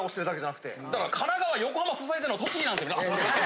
だから神奈川横浜支えてるのは栃木なんですよ。